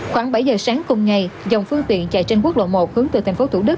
khoảng bảy giờ sáng cùng ngày dòng phương tiện chạy trên quốc lộ một hướng từ tp thủ đức